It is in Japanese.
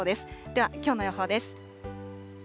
では、きょうの予報です。